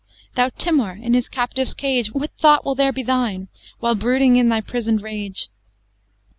XV Thou Timour! in his captive's cage What thought will there be thine, While brooding in thy prison'd rage?